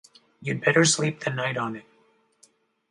You'd better sleep the night on it.